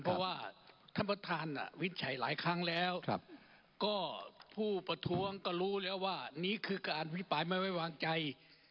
เพราะว่าท่านประธานวิจัยหลายครั้งแล้วก็ผู้ประท้วงก็รู้แล้วว่านี่คือการอภิปรายไม่ไว้วางใจ